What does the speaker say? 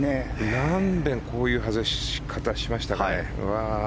何遍こういう外し方をしましたかね。